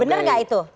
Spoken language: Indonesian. bener gak itu